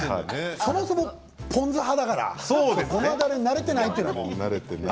そもそもポン酢派だからごまだれに慣れてない。